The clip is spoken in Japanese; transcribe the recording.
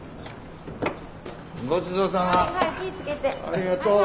ありがとう。